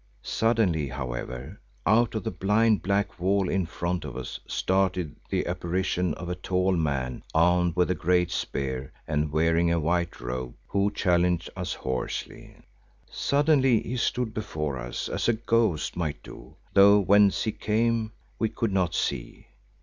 Suddenly, however, out of the blind black wall in front of us started the apparition of a tall man armed with a great spear and wearing a white robe, who challenged us hoarsely. Suddenly he stood before us, as a ghost might do, though whence he came we could not see.